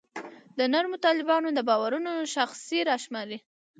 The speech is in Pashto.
د نرمو طالبانو د باورونو شاخصې راشماري.